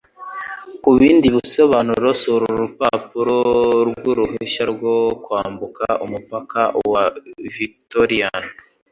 Kubindi bisobanuro sura urupapuro rwuruhushya rwo kwambuka umupaka wa Victorian.